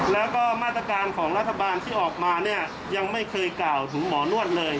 แล้วก็มาตรการของรัฐบาลที่ออกมาเนี่ยยังไม่เคยกล่าวถึงหมอนวดเลย